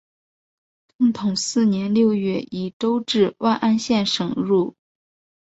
正统四年六月以州治万安县省入。